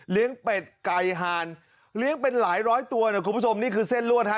เป็ดไก่หานเลี้ยงเป็นหลายร้อยตัวนะคุณผู้ชมนี่คือเส้นลวดฮะ